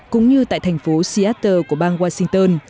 cũng như tại thành phố seattle của bang washington